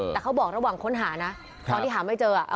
แต่เขาบอกระหว่างค้นหานะตอนที่หาไม่เจอ